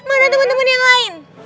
mana temen temen yang lain